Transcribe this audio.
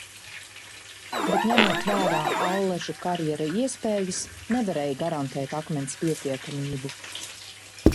Bet, ņemot vērā Allažu karjera iespējas, nevarēja garantēt akmens pietiekamību.